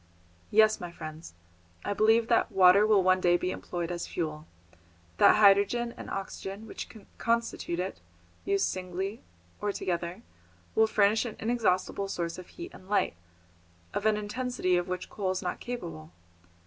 Yes, my friends, I believe that water will one day be employed as fuel, that hydrogen and oxygen which constitute it, used singly or together, will furnish an inexhaustible source of heat and light, of an intensity of which coal is not capable.